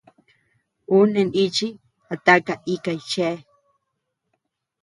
Ú neʼë nichi a taka ikay chea.